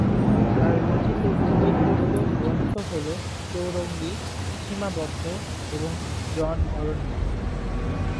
তার রচিত উল্লেখযোগ্য গ্রন্থ হল "চৌরঙ্গী", "সীমাবদ্ধ" এবং "জন অরণ্য"।